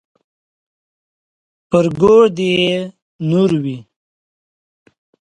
پر ګور دې يې نور وي.